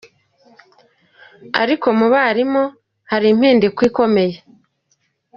Ariko mu barimu hari impinduka ikomeye.